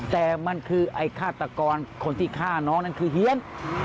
แต่มันคือไอ้ฆาตกรคนที่ฆ่าน้องนั่นคือเฮียน